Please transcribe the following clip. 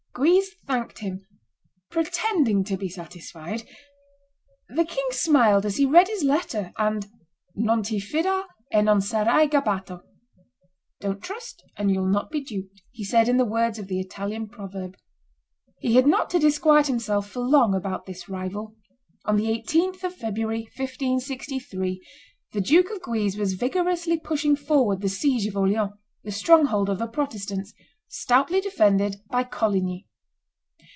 Guise thanked him, pretending to be satisfied: the king smiled as he read his letter; and "Non ti fidar, e non sarai gabbato" (Don't trust, and you'll not be duped), he said in the words of the Italian proverb. He had not to disquiet himself for long about this rival. On the 18th of February, 1563, the Duke of Guise was vigorously pushing forward the siege of Orleans, the stronghold of the Protestants, stoutly defended by Coligny.